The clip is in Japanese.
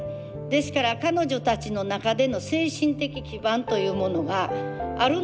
ですから彼女たちの中での精神的基盤というものがあるのかないのか。